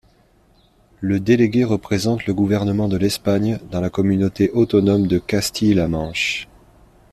Le délégué représente le gouvernement de l'Espagne dans la communauté autonome de Castille-La Manche.